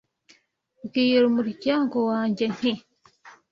Mbwira umuryango wanjye nti,